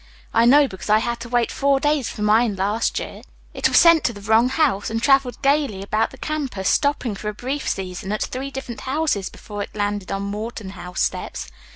I know, because I had to wait four days for mine last year. It was sent to the wrong house, and traveled gaily about the campus, stopping for a brief season at three different houses before it landed on Morton House steps.